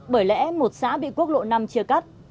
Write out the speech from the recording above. bởi lẽ một xã bị quốc lộ năm chia cắt